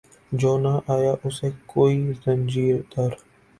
جو نہ آیا اسے کوئی زنجیر در